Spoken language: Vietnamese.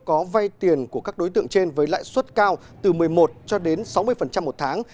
có vay tiền của các đối tượng trên với lãi suất cao từ một mươi một cho đến sáu mươi một tháng